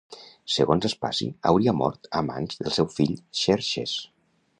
Segons Aspasi hauria mort a mans del seu fill Xerxes.